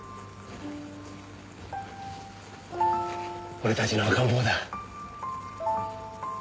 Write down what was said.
俺たちの赤ん坊だ。